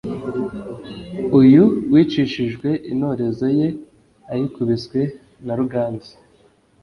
uyu wicishijwe intorezo ye ayikubiswe na ruganzu: